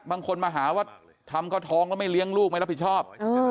บางคนมาหาว่าทำก็ท้องแล้วไม่เลี้ยงลูกไม่รับผิดชอบ